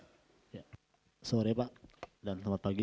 selamat sore pak dan selamat pagi